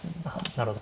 なるほど。